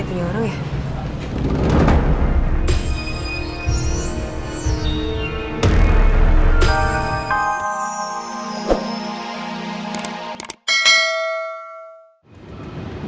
tidak ada yang bisa menghapusnya